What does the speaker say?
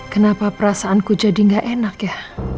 kenapa perasaanku jadi gak enak ya